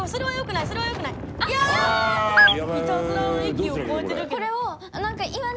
いたずらの域超えてるよね。